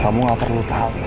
kamu gak perlu tahu